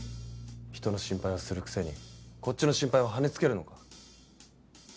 ひとの心配はするくせにこっちの心配ははねつけるのか。